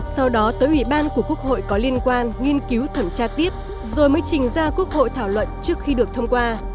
sau đó tới ủy ban của quốc hội có liên quan nghiên cứu thẩm tra tiếp rồi mới trình ra quốc hội thảo luận trước khi được thông qua